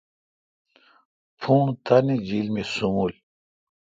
پݨ تانی جیل مے°سنبل۔